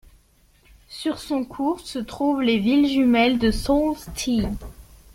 Sur son cours se trouvent les villes jumelles de Sault Ste.